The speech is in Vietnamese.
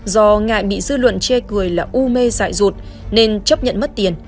do ngại bị dư luận che cười là u mê dại rụt nên chấp nhận mất tiền